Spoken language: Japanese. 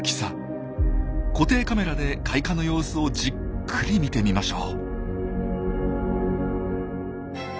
固定カメラで開花の様子をじっくり見てみましょう。